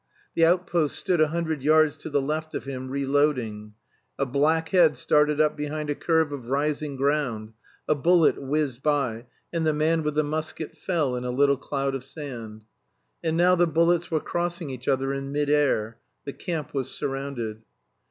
The outpost stood a hundred yards to the left of him reloading. A black head started up behind a curve of rising ground, a bullet whizzed by, and the man with the musket fell in a little cloud of sand. And now the bullets were crossing each other in mid air. The camp was surrounded.